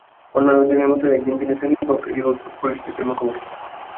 অন্যান্য দিনের মতোই একদিন তিনি শ্রেণীকক্ষে গিয়ে অদ্ভুত পরিস্থিতির মুখোমুখি হন।